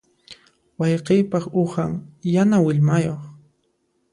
Wayqiypaq uhan yana willmayuq.